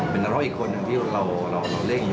เป็นร้องอีกคนที่เราเล่นอย่างนี้